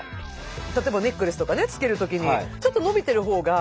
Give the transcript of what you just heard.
例えばネックレスとかねつける時にちょと伸びてる方が楽。